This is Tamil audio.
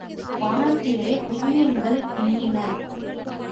வானத்திலே விண்மீன்கள் மின்னின.